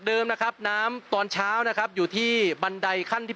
นะครับน้ำตอนเช้านะครับอยู่ที่บันไดขั้นที่๑